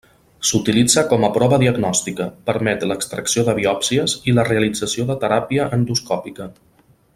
S'utilitza com a prova diagnòstica, permet l'extracció de biòpsies i la realització de teràpia endoscòpica.